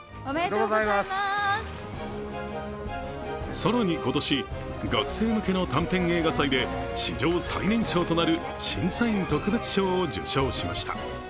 更に今年、学生向けの短編映画祭で史上最年少となる審査員特別賞を受賞しました。